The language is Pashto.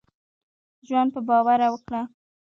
ژوند په باور وکړهٔ.